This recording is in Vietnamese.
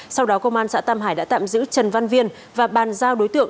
sau đó công an xã tam hải đã tạm giữ trần văn viên và bàn giao đối tượng